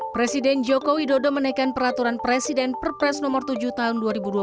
presiden joko widodo menaikkan peraturan presiden perpres nomor tujuh tahun dua ribu dua puluh